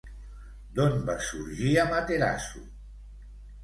D'on va sorgir Amaterasu?